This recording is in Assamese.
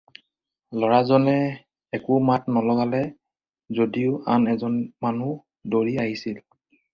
ল'ৰাজনে একো মাত নলগালে যদিও আন এজন মানুহ দৌৰি আহিল।